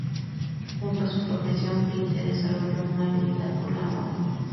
Junto a su profesión, Prince desarrolló una habilidad por la moda.